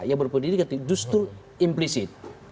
yang berpendidikan justru implisit